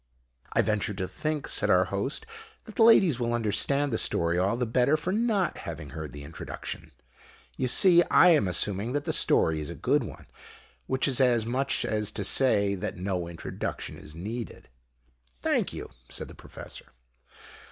"I venture to think," said our Host, "that the ladies will understand the story all the better for not having heard the introduction. You see, I am assuming that the story is a good one which is as much as to say that no introduction is needed." "Thank you," said the Professor.